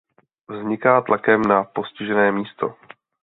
Vzniká tlakem na postižené místo.